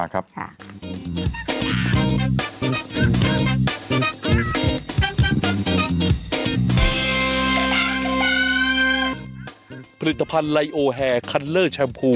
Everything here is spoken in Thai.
กลับมาครับ